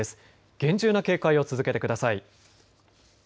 厳重な警戒を続けてください。